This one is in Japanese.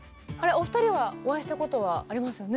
お二人はお会いしたことはありますよね。